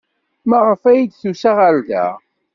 Maɣef ay d-tusa ɣer da?